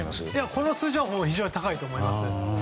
この数字は非常に高いと思います。